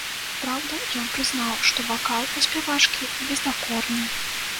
Праўда, ён прызнаў, што вакал у спявачкі бездакорны.